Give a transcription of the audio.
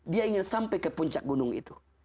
dia ingin sampai ke puncak gunung itu